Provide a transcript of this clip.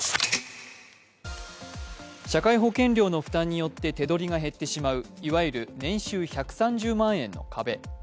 社会保険料の負担によって手取りが減ってしまう、いわゆる年収１３０万円の壁。